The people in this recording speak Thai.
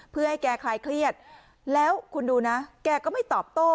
เพื่อให้แกคลายเครียดแล้วคุณดูนะแกก็ไม่ตอบโต้